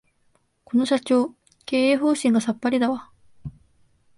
この社長、経営方針がさっぱりだわ